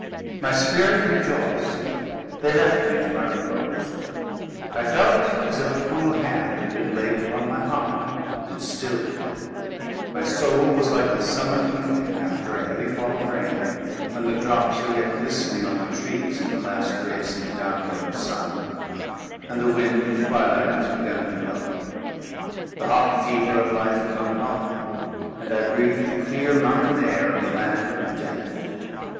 My spirit rejoiced. They left me to my repose. I felt as if a cool hand had been laid upon my heart, and had stilled it. My soul was like a summer evening, after a heavy fall of rain, when the drops are yet glistening on the trees in the last rays of the down going sun, and the wind of the twilight has begun to blow. The hot fever of life had gone by, and I breathed the clear mountain air of the land of Death.